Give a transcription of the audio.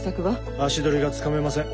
足取りがつかめません。